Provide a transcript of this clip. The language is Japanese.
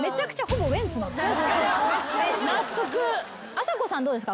あさこさんどうですか？